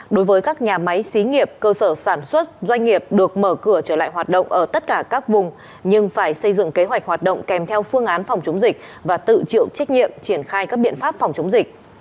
đối với các nhà máy xí nghiệp cơ sở sản xuất doanh nghiệp được mở cửa trở lại hoạt động ở tất cả các vùng nhưng phải xây dựng kế hoạch hoạt động kèm theo phương án phòng chống dịch và tự chịu trách nhiệm triển khai các biện pháp phòng chống dịch